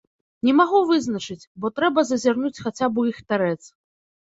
Не магу вызначыць, бо трэба зазірнуць хаця б у іх тарэц.